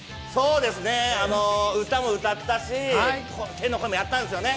歌も歌ったし、天の声もやったんですよね。